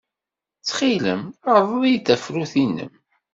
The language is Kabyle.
Ttxil-m, rḍel-iyi tafrut-nnem.